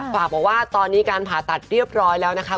ฝากบอกว่าตอนนี้การผ่าตัดเรียบร้อยแล้วนะคะ